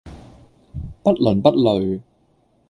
不倫不類